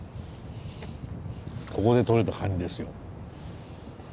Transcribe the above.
ここでとれたカニですよ。